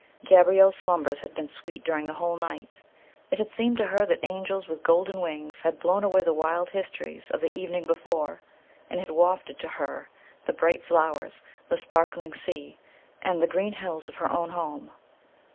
Gabrielle's slumbers had been sweet during the whole night. It had seemed to her that angels with golden wings had blown away the wild histories of the evening before, and had wafted to her the bright flowers, the sparkling sea, and the green hills of her own home.